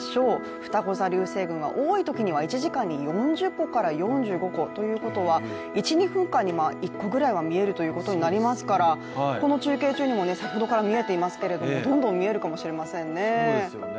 ふたご座流星群は多いときには１時間に４０個から４５個ということは１２分間に１個ぐらいは見えるということになりますからこの中継中にも先ほどから見えていますけれどもどんどん見えるかもしれませんね。